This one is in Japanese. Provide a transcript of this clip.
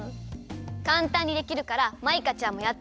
かんたんにできるからマイカちゃんもやってみて！